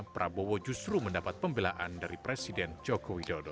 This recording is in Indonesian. prabowo justru mendapat pembelaan dari presiden joko widodo